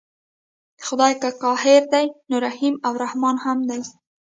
خدای که قهار دی نو رحیم او رحمن هم دی.